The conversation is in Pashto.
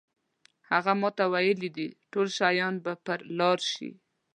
هغه ماته ویلي دي ټول شیان به پر لار شي.